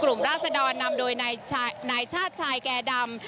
ราศดรนำโดยนายชาติชายแก่ดำ